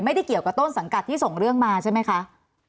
ไม่ได้เกี่ยวกับต้นสังกัดที่ส่งเรื่องมาใช่ไหมคะ